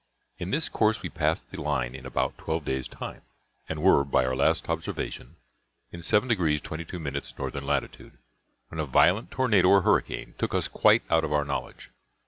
In this course we passed the line in about twelve days' time, and were, by our last observation, in 7 degrees 22' northern latitude, when a violent tornado, or hurricane, took us quite out of our knowledge.